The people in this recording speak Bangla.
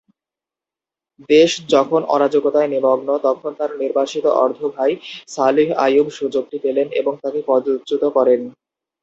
দেশ যখন অরাজকতায় নিমগ্ন তখন তার নির্বাসিত অর্ধ ভাই, সালিহ আইয়ুব সুযোগটি পেলেন এবং তাকে পদচ্যুত করেন।